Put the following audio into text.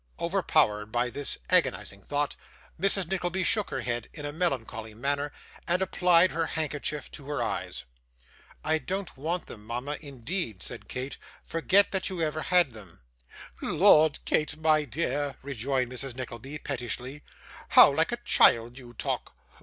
Overpowered by this agonising thought, Mrs. Nickleby shook her head, in a melancholy manner, and applied her handkerchief to her eyes. I don't want them, mama, indeed,' said Kate. 'Forget that you ever had them.' 'Lord, Kate, my dear,' rejoined Mrs. Nickleby, pettishly, 'how like a child you talk!